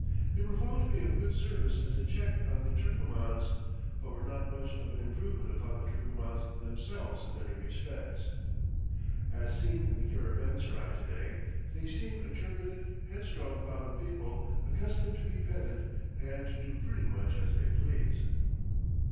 They were found to be of good service as a check on the Turkomans, but were not much of an improvement upon the Turkomans themselves in many respects. As seen in the caravanserai to day, they seem a turbulent, headstrong crowd of people, accustomed to be petted, and to do pretty much as they please.